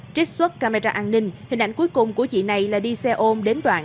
trích xuất camera an ninh hình ảnh cuối cùng của chị này là đi xe ôm đến đoạn